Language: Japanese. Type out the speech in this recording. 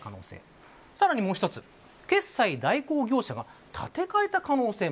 そしてもう一つ、決済代行業者が立て替えた可能性。